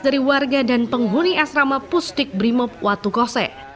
dari warga dan penghuni asrama pustik brimob watukose